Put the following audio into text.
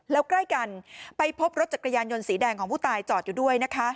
แล้วใกล้กันไปพบรถจักรยานยนต์สีแดงของผู้ตายจอดอยู่ด้วยนะคะ